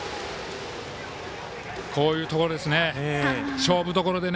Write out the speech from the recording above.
こういうところですね。